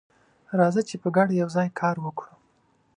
راځه چې په ګډه یوځای کار وکړو.